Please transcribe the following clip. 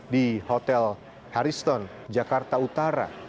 di hotel haristone jakarta utara